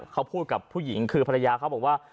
เขาพูดกับผู้หญิงคือภรรยาเขาบอกว่า